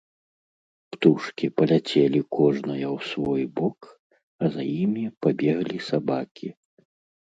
Птушкі паляцелі кожная ў свой бок, а за імі пабеглі сабакі.